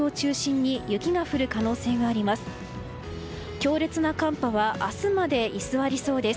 強烈な寒波は明日まで居座りそうです。